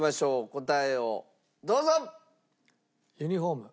答えをどうぞ！